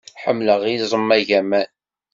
Ḥemmleɣ iẓem agaman.